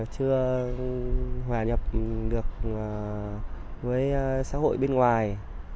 chưa hòa nhập được với xã hội bên ngoài